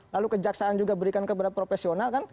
lalu kejaksaan juga berikan kepada profesional kan